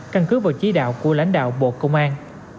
căn cứ vào chỉ đạo của lãnh đạo bộ công an